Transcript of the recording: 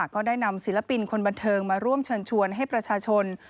ก็ได้นำศิลปินคนบันเทิงมาร่วมเชิญชวนให้ประชาชน